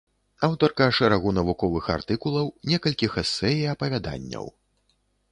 Аўтарка шэрагу навуковых артыкулаў, некалькіх эсэ і апавяданняў.